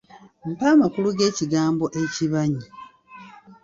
Mpa amakulu g’ekigambo ekibanyi